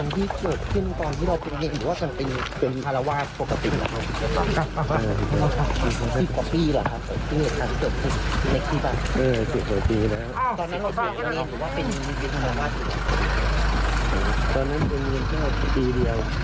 ตอนนั้นคือปีเดียว